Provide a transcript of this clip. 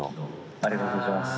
ありがとうございます。